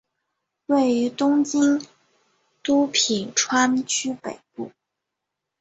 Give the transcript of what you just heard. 位于东京都品川区北部。